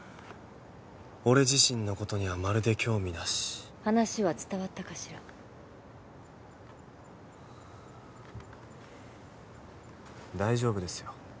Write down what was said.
俺自身のことにはまるで興味なし話は伝わったかしら大丈夫ですよ